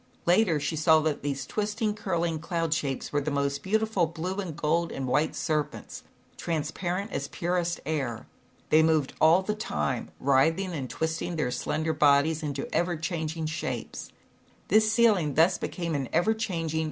Later, she saw that these twisting curling cloud shapes were the most [eautiful blue and gold and white ser :nts, transparent as purest air. They [oved all the time, writhing and twist their slender bodies into shapes. This < an cham ini eve; thmS A ?>